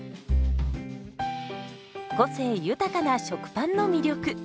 個性豊かな食パンの魅力。